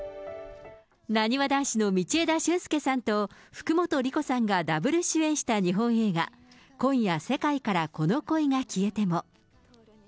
なにわ男子の道枝駿佑さんとふくもとりこさんがダブル主演した日本映画、今夜、世界からこの恋が消えても。